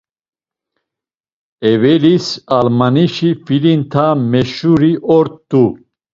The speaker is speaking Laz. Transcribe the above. Evelis Alamanişi filinta meşuri ort̆u.